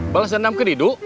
balas dendam ke didu